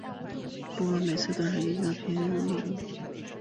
不过这次是移居到了延雪平城城居住。